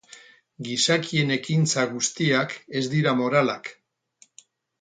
Gizakien ekintza guztiak ez dira moralak.